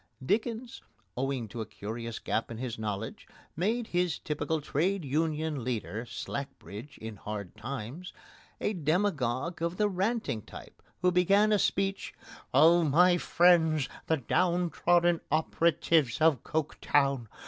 Dickens, owing to a curious gap in his knowledge, made his typical Trade Union leader, Slackbridge, in Hard Times, a demagogue of the ranting type, who began a speech: Oh, my friends, the down trodden operatives of Coketown!